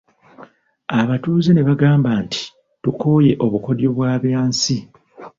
Abatuuze ne bagamba nti, tukooye obukodyo bwa Byansi.